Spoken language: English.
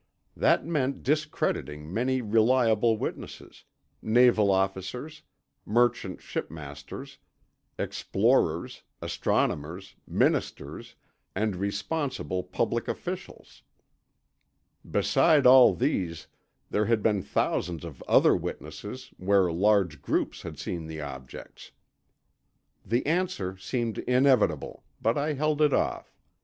That meant discrediting many reliable witnesses—naval officers, merchant shipmasters, explorers, astronomers, ministers, and responsible public officials. Besides all these, there had been thousands of other witnesses, where large groups had seen the objects. The answer seemed inevitable, but I held it off.